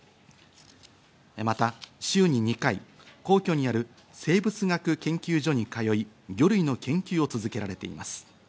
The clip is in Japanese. また週に２回、皇居にある生物学研究所に通い、魚類の研究を続けられています。